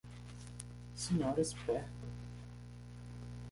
Senhora esperta